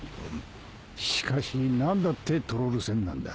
しかし何だってトロール船なんだ？